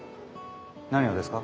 何がですか？